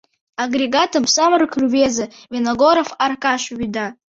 Агрегатым самырык рвезе Виногоров Аркаш вӱда.